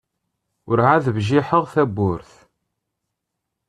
Ur-ɛad bjiḥeɣ tawwurt.